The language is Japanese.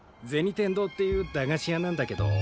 天堂っていう駄菓子屋なんだけど。